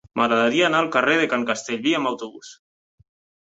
M'agradaria anar al carrer de Can Castellví amb autobús.